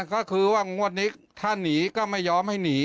ก็คือว่างวดนี้ถ้าหนีก็ไม่ยอมให้หนี